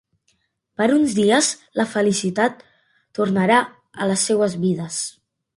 Per uns dies, la felicitat tornarà a les seues vides.